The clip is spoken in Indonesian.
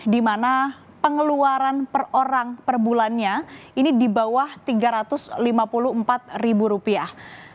di mana pengeluaran per orang per bulannya ini di bawah tiga ratus lima puluh empat ribu rupiah